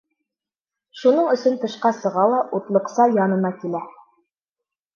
Шуның өсөн тышҡа сыға ла утлыҡса янына килә.